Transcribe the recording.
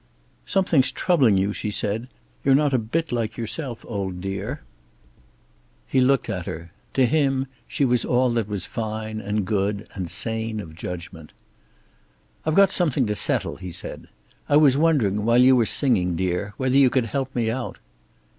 "Something's troubling you," she said. "You're not a bit like yourself, old dear." He looked at her. To him she was all that was fine and good and sane of judgment. "I've got something to settle," he said. "I was wondering while you were singing, dear, whether you could help me out."